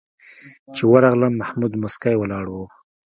چې ورغلم محمود موسکی ولاړ و.